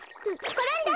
ころんだ！